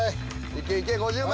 いけいけ５０万